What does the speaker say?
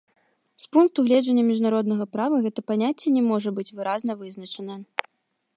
З пункту гледжання міжнароднага права, гэта паняцце не можа быць выразна вызначана.